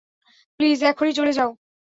Please এখনই চল যাও।